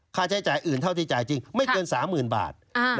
ค่าใช้จ่ายอื่นเท่าที่จ่ายจริงไม่เกิน๓๐๐๐บาท